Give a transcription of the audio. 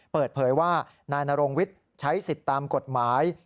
เปิดเผยว่านายนรงวิทย์ใช้สิทธิ์ตามกฎหมาย